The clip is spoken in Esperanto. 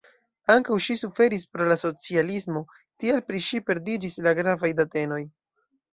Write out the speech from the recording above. Ankaŭ ŝi suferis pro la socialismo, tial pri ŝi perdiĝis la gravaj datenoj.